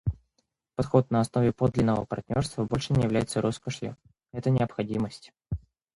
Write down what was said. Подход на основе подлинного партнерства больше не является роскошью; это — необходимость.